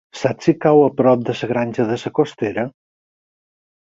Saps si cau a prop de la Granja de la Costera?